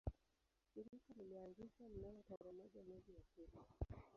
Shirika lilianzishwa mnamo tarehe moja mwezi wa pili